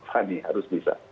fani harus bisa